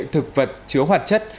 thực vật chứa hoạt chất